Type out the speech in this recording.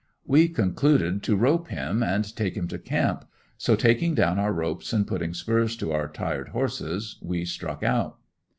We concluded to "rope" him and take him to camp, so taking down our ropes and putting spurs to our tired horses we struck out.